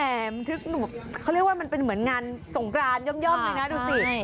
แต่เขาเรียกว่ามันเป็นเหมือนงานสงกรานย่อมเลยนะดูสิ